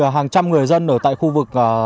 hàng trăm người dân ở tại khu vực